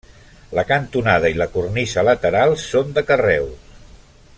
La cantonada i la cornisa lateral són de carreus.